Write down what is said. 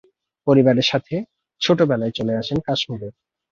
পরিবারের সাথে ছোটবেলায় চলে আসেন কাশ্মীরে।